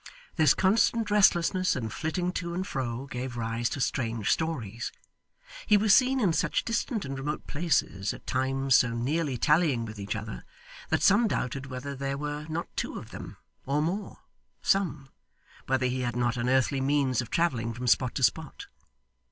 This constant restlessness, and flitting to and fro, gave rise to strange stories. He was seen in such distant and remote places, at times so nearly tallying with each other, that some doubted whether there were not two of them, or more some, whether he had not unearthly means of travelling from spot to spot.